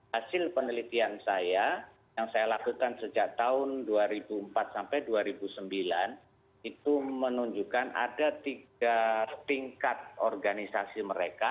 hasil penelitian saya yang saya lakukan sejak tahun dua ribu empat sampai dua ribu sembilan itu menunjukkan ada tiga tingkat organisasi mereka